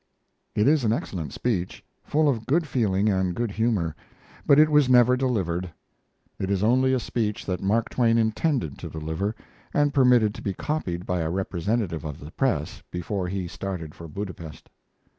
It is an excellent speech, full of good feeling and good humor, but it was never delivered. It is only a speech that Mark Twain intended to deliver, and permitted to be copied by a representative of the press before he started for Budapest.